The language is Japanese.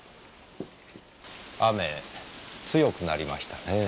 雨強くなりましたねえ。